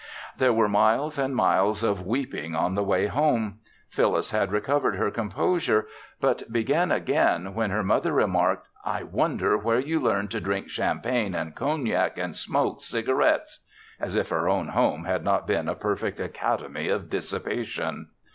There were miles and miles of weeping on the way home. Phyllis had recovered her composure but began again when her mother remarked, "I wonder where you learned to drink champagne and cognac and smoke cigarettes," as if her own home had not been a perfect academy of dissipation.